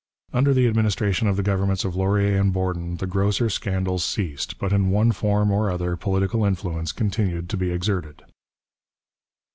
Under the administration of the governments of Laurier and Borden the grosser scandals ceased, but in one form or other political influence continued to be exerted.